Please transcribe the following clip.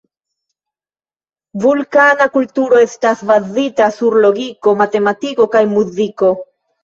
Vulkana kulturo estas bazita sur logiko, matematiko kaj muziko.